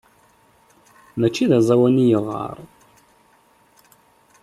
Mačči d aẓawan i yeɣɣar.